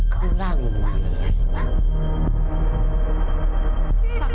ข้างล่าง